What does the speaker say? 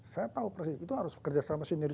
saya tahu itu harus kerjasama sendiri